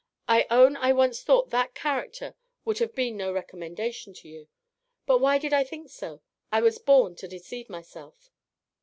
I own I once thought that character would have been no recommendation to you; but why did I think so? I was born to deceive myself.